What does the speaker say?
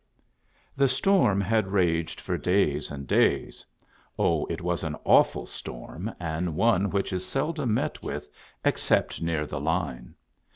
The storm had raged for days and days. Oh ! it was an awful storm, and one which is seldom met with except near the line.